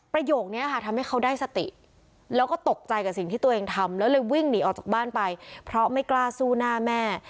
ประโยคนี้ค่ะทำให้เขาได้สติแล้วก็ตกใจกับสิ่งที่ตัวเองทำแล้วเลยวิ่งหนีออกจากบ้านไปเพราะไม่กล้าสู้หน้าแม่